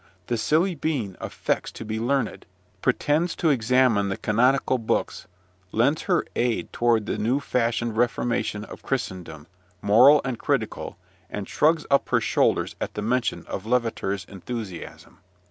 The silly being affects to be learned, pretends to examine the canonical books, lends her aid toward the new fashioned reformation of Christendom, moral and critical, and shrugs up her shoulders at the mention of Lavater's enthusiasm.